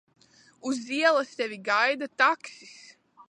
Uz ielas tevi gaida taksis.